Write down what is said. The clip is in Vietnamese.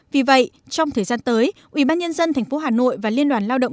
vì vậy trong thời gian tới ủy ban nhân dân tp hà nội và liên đoàn lao động